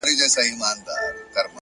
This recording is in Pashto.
خاموش عمل تر خبرو قوي اغېز لري.!